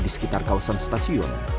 di sekitar kawasan stasiun